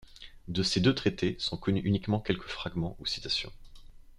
De ces deux traités sont connus uniquement quelques fragments ou citations.